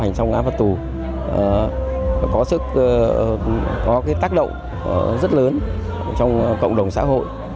các ứng dụng đối với người chấp hành song án phạt tù có tác động rất lớn trong cộng đồng xã hội